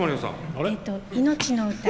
「いのちの歌」。